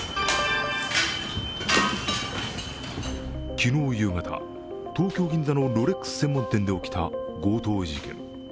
昨日夕方、東京・銀座のロレックス専門店で起きた強盗事件。